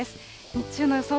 日中の予想